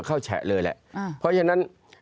แฉะเลยแหละเพราะฉะนั้น